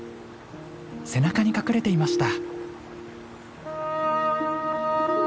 背中に隠れていました。